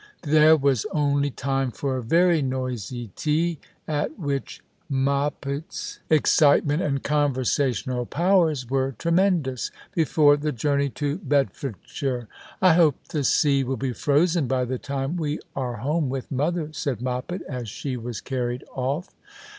There was only time for a very noisy tea, at which Moppet's excitement and conversational powers were tremendous — before the journey to Bedford shire. 192 The Christmas Hirelings. " I hope the sea will be frozen by the time we are home with mother," said Moppet, as she was carried oft'.